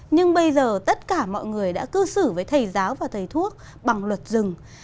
nhưng bây giờ tất cả mọi người đã cư xử với thầy giáo và thầy thuốc bằng luật rừng